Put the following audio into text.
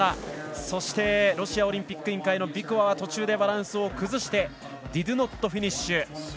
そしてロシアオリンピック委員会ビコワは途中でバランスを崩してディドゥーノットフィニッシュ。